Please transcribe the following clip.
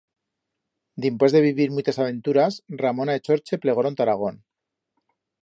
Dimpués de vivir muitas aventuras, Ramona e Chorche plegoron ta Aragón.